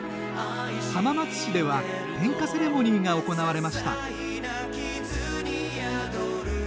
浜松市では点火セレモニーが行われました。